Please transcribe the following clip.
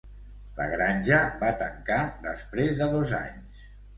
La granja va tancar després de dos anys.